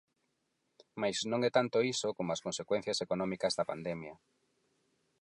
Mais non é tanto iso como as consecuencias económicas da pandemia.